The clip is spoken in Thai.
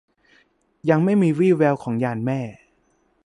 ยังไม่มีวี่แววของยานแม่